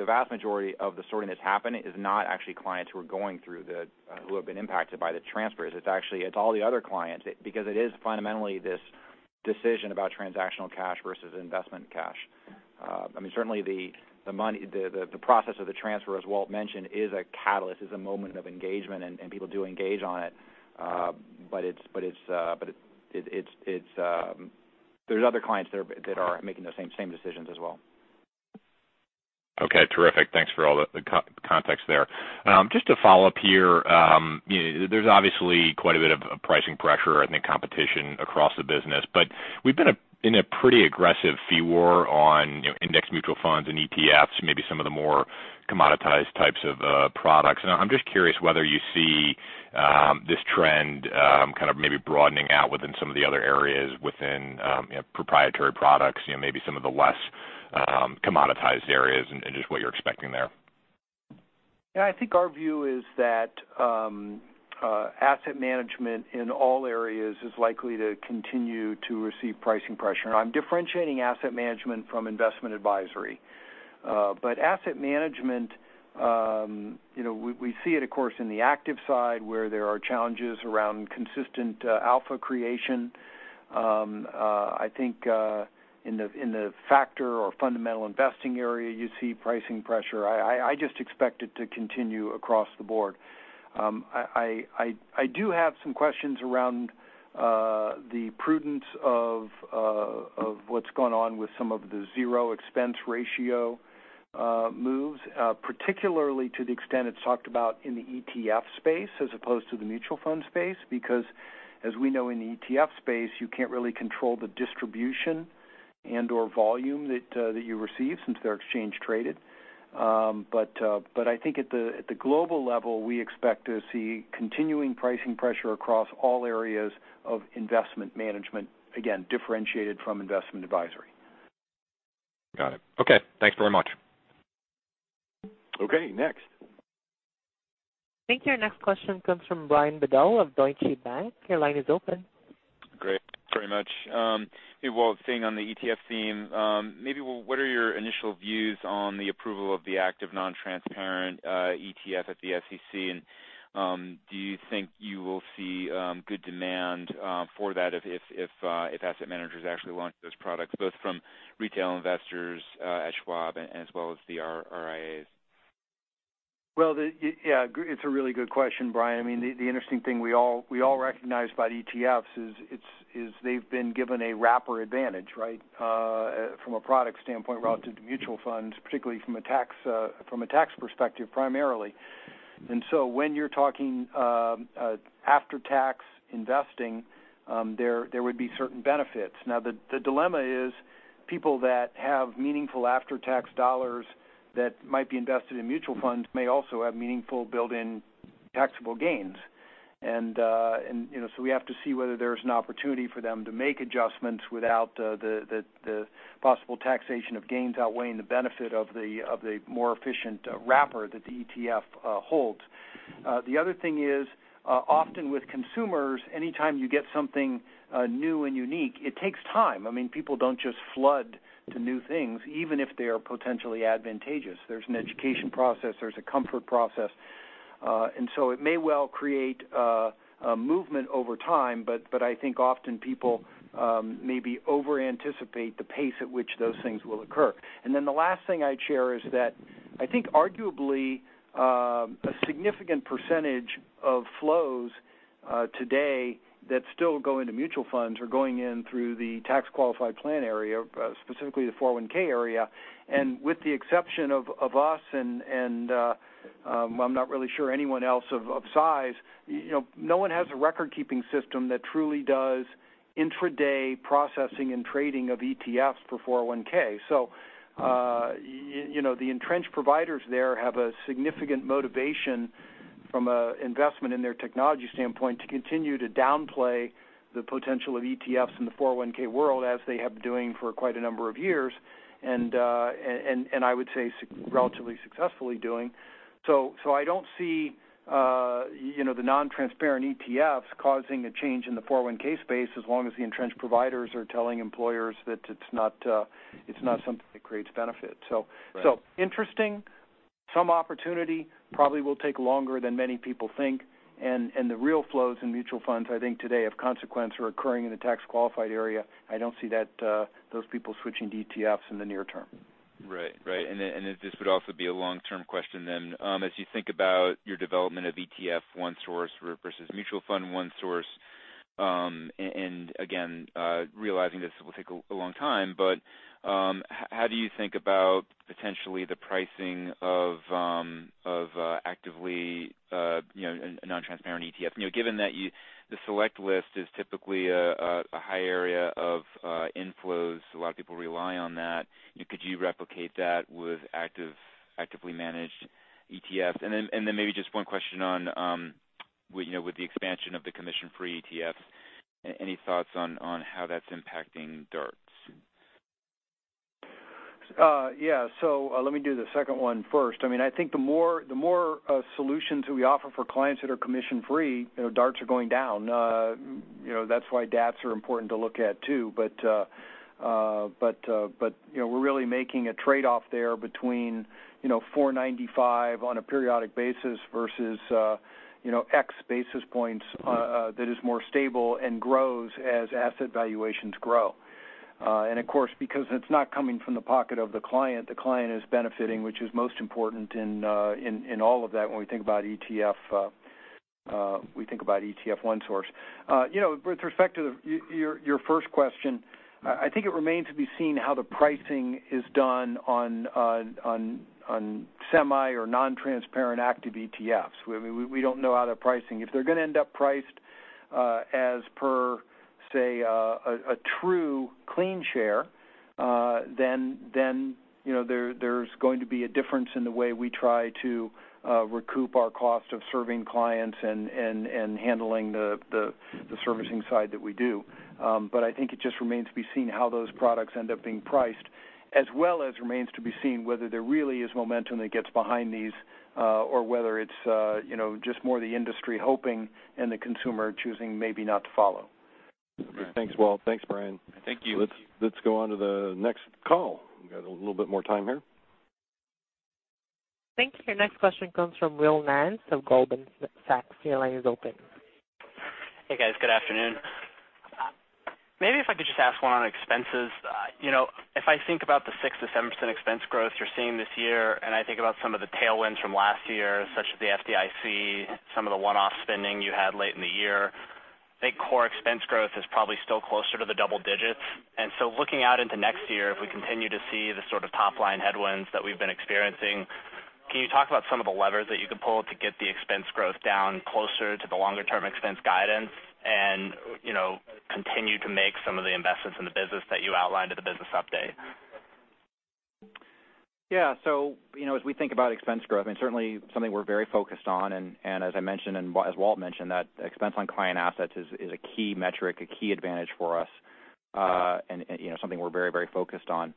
vast majority of the sorting that's happened is not actually clients who have been impacted by the transfers. It's all the other clients because it is fundamentally this decision about transactional cash versus investment cash. Certainly the process of the transfer, as Walt mentioned, is a catalyst, is a moment of engagement, and people do engage on it. There's other clients that are making those same decisions as well. Okay. Terrific. Thanks for all the context there. Just to follow up here, there's obviously quite a bit of pricing pressure and competition across the business, we've been in a pretty aggressive fee war on index mutual funds and ETFs, maybe some of the more commoditized types of products. I'm just curious whether you see this trend kind of maybe broadening out within some of the other areas within proprietary products, maybe some of the less commoditized areas, and just what you're expecting there. I think our view is that asset management in all areas is likely to continue to receive pricing pressure. I'm differentiating asset management from investment advisory. Asset management, we see it, of course, in the active side where there are challenges around consistent alpha creation. In the factor or fundamental investing area, you see pricing pressure. I just expect it to continue across the board. I do have some questions around the prudence of what's going on with some of the zero expense ratio moves, particularly to the extent it's talked about in the ETF space as opposed to the mutual fund space. As we know, in the ETF space, you can't really control the distribution and/or volume that you receive since they're exchange traded. At the global level, we expect to see continuing pricing pressure across all areas of investment management, again, differentiated from investment advisory. Got it. Okay, thanks very much. Okay, next. I think your next question comes from Brian Bedell of Deutsche Bank. Your line is open. Great. Thanks very much. Hey, Walt, staying on the ETF theme, maybe what are your initial views on the approval of the active non-transparent ETF at the SEC, and do you think you will see good demand for that if asset managers actually launch those products, both from retail investors at Schwab and as well as the RIAs? Well, yeah, it's a really good question, Brian. The interesting thing we all recognize about ETFs is they've been given a wrapper advantage, from a product standpoint relative to mutual funds, particularly from a tax perspective, primarily. When you're talking after-tax investing, there would be certain benefits. Now, the dilemma is people that have meaningful after-tax dollars that might be invested in mutual funds may also have meaningful built-in taxable gains. We have to see whether there's an opportunity for them to make adjustments without the possible taxation of gains outweighing the benefit of the more efficient wrapper that the ETF holds. The other thing is, often with consumers, anytime you get something new and unique, it takes time. People don't just flood to new things, even if they are potentially advantageous. There's an education process. There's a comfort process. It may well create a movement over time, but I think often people maybe over-anticipate the pace at which those things will occur. The last thing I'd share is that I think arguably, a significant percentage of flows today that still go into mutual funds are going in through the tax-qualified plan area, specifically the 401(k) area. With the exception of us, and I'm not really sure anyone else of size, no one has a record-keeping system that truly does intraday processing and trading of ETFs for 401(k). The entrenched providers there have a significant motivation from an investment in their technology standpoint to continue to downplay the potential of ETFs in the 401(k) world as they have been doing for quite a number of years, and I would say relatively successfully doing. I don't see the non-transparent ETFs causing a change in the 401(k) space as long as the entrenched providers are telling employers that it's not something that creates benefit. Interesting, some opportunity probably will take longer than many people think, and the real flows in mutual funds, I think, today of consequence are occurring in the tax-qualified area. I don't see those people switching to ETFs in the near term. Right. This would also be a long-term question then. As you think about your development of Schwab ETF OneSource versus Mutual Fund OneSource, and again realizing this will take a long time, but how do you think about potentially the pricing of actively non-transparent ETFs? Given that the Schwab Select List is typically a high area of inflows, a lot of people rely on that, could you replicate that with actively managed ETFs? Maybe just one question on with the expansion of the commission-free ETFs, any thoughts on how that's impacting DARTs? Let me do the second one first. I think the more solutions we offer for clients that are commission-free, DARTs are going down. That's why DATs are important to look at, too. We're really making a trade-off there between 495 on a periodic basis versus X basis points that is more stable and grows as asset valuations grow. Of course, because it's not coming from the pocket of the client, the client is benefiting, which is most important in all of that when we think about ETF OneSource. With respect to your first question, I think it remains to be seen how the pricing is done on semi or non-transparent active ETFs. We don't know how they're pricing. If they're going to end up priced as per, say, a true clean share, there's going to be a difference in the way we try to recoup our cost of serving clients and handling the servicing side that we do. I think it just remains to be seen how those products end up being priced, as well as remains to be seen whether there really is momentum that gets behind these, or whether it's just more the industry hoping and the consumer choosing maybe not to follow. Thanks, Walt. Thanks, Brian. Thank you. Let's go on to the next call. We got a little bit more time here. Thank you. Your next question comes from Will Nance of Goldman Sachs. Your line is open. Hey, guys. Good afternoon. Maybe if I could just ask one on expenses. If I think about the 6%-7% expense growth you're seeing this year, and I think about some of the tailwinds from last year, such as the FDIC, some of the one-off spending you had late in the year, I think core expense growth is probably still closer to the double digits. Looking out into next year, if we continue to see the sort of top-line headwinds that we've been experiencing, can you talk about some of the levers that you could pull to get the expense growth down closer to the longer-term expense guidance and continue to make some of the investments in the business that you outlined at the business update? Yeah. As we think about expense growth, I mean, certainly something we're very focused on, and as I mentioned and as Walt mentioned, that expense on client assets is a key metric, a key advantage for us. Something we're very focused on.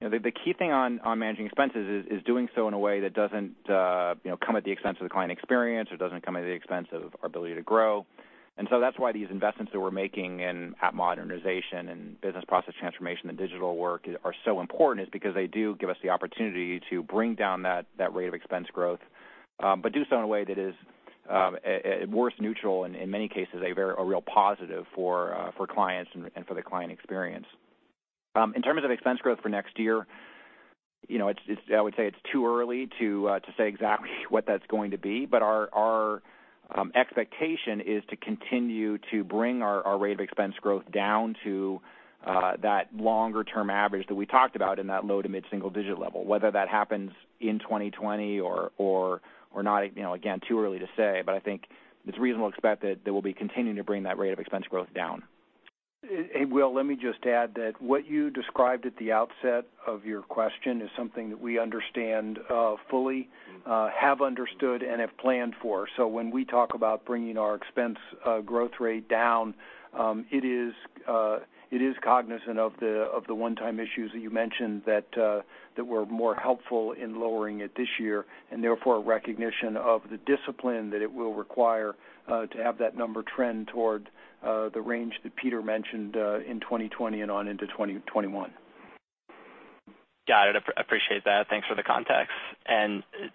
The key thing on managing expenses is doing so in a way that doesn't come at the expense of the client experience or doesn't come at the expense of our ability to grow. That's why these investments that we're making in app modernization and business process transformation and digital work are so important is because they do give us the opportunity to bring down that rate of expense growth. Do so in a way that is at worst neutral, in many cases, a real positive for clients and for the client experience. In terms of expense growth for next year, I would say it's too early to say exactly what that's going to be, but our expectation is to continue to bring our rate of expense growth down to that longer-term average that we talked about in that low to mid-single-digit level. Whether that happens in 2020 or not, again, too early to say, but I think it's reasonable to expect that we'll be continuing to bring that rate of expense growth down. Hey, Will, let me just add that what you described at the outset of your question is something that we understand fully, have understood, and have planned for. When we talk about bringing our expense growth rate down, it is cognizant of the one-time issues that you mentioned that were more helpful in lowering it this year, and therefore a recognition of the discipline that it will require to have that number trend toward the range that Peter mentioned in 2020 and on into 2021. Got it. Appreciate that. Thanks for the context.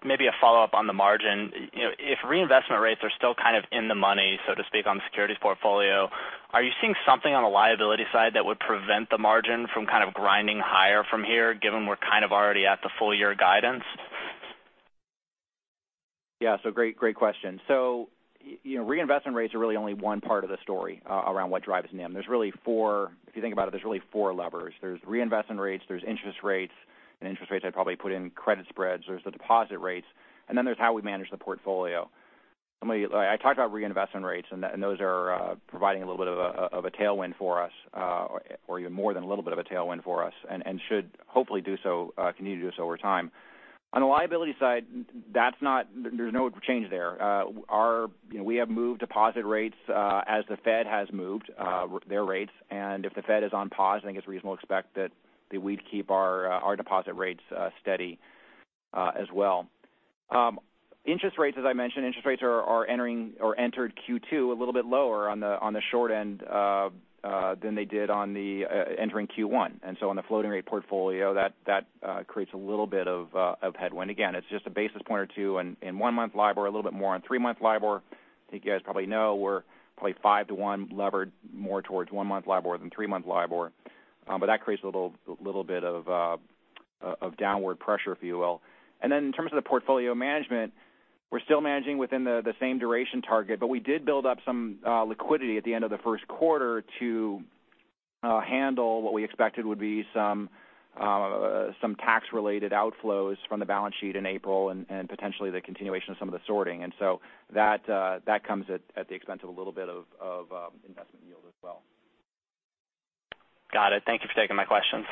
Maybe a follow-up on the margin. If reinvestment rates are still kind of in the money, so to speak, on the securities portfolio, are you seeing something on the liability side that would prevent the margin from kind of grinding higher from here, given we're kind of already at the full-year guidance? Yeah. Great question. Reinvestment rates are really only one part of the story around what drives NIM. If you think about it, there's really four levers. There's reinvestment rates, there's interest rates, and interest rates I'd probably put in credit spreads. There's the deposit rates. Then there's how we manage the portfolio. I talked about reinvestment rates, and those are providing a little bit of a tailwind for us, or even more than a little bit of a tailwind for us, and should hopefully continue to do so over time. On the liability side, there's no change there. We have moved deposit rates as the Fed has moved their rates, and if the Fed is on pause, I think it's reasonable to expect that we'd keep our deposit rates steady as well. Interest rates, as I mentioned, interest rates entered Q2 a little bit lower on the short end than they did entering Q1. On the floating rate portfolio, that creates a little bit of a headwind. Again, it's just a basis point or two in one-month LIBOR, a little bit more on three-month LIBOR. I think you guys probably know we're probably five to one levered more towards one-month LIBOR than three-month LIBOR. That creates a little bit of downward pressure, if you will. In terms of the portfolio management, we're still managing within the same duration target, but we did build up some liquidity at the end of the first quarter to handle what we expected would be some tax-related outflows from the balance sheet in April and potentially the continuation of some of the sorting. That comes at the expense of a little bit of investment yield as well. Got it. Thank you for taking my questions.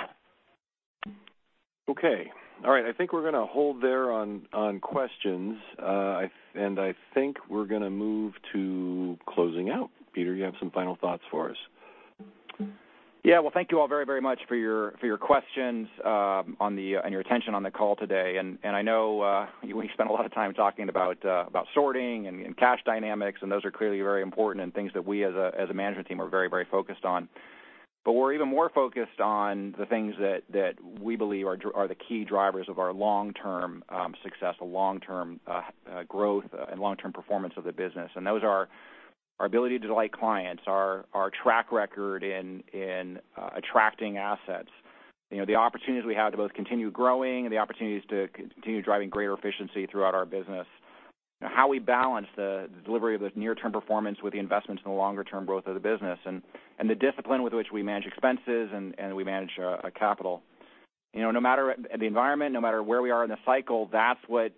Okay. All right. I think we're going to hold there on questions. I think we're going to move to closing out. Peter, you have some final thoughts for us? Yeah. Well, thank you all very much for your questions and your attention on the call today. I know we spent a lot of time talking about sorting and cash dynamics, and those are clearly very important and things that we as a management team are very focused on. We're even more focused on the things that we believe are the key drivers of our long-term success, the long-term growth, and long-term performance of the business. Those are our ability to delight clients, our track record in attracting assets. The opportunities we have to both continue growing and the opportunities to continue driving greater efficiency throughout our business. How we balance the delivery of the near-term performance with the investments in the longer-term growth of the business, and the discipline with which we manage expenses and we manage our capital. No matter the environment, no matter where we are in the cycle, that's what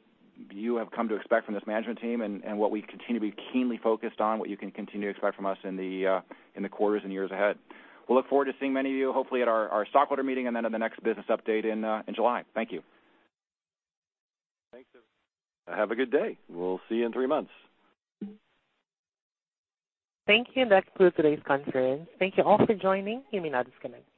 you have come to expect from this management team and what we continue to be keenly focused on, what you can continue to expect from us in the quarters and years ahead. We'll look forward to seeing many of you, hopefully at our stockholder meeting and then at the next business update in July. Thank you. Thanks. Have a good day. We'll see you in three months. Thank you. That concludes today's conference. Thank you all for joining. You may now disconnect.